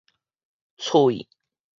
喙